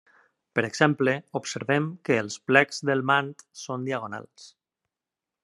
Per exemple, observem que els plecs del mant són diagonals.